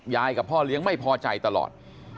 กับพ่อเลี้ยงไม่พอใจตลอด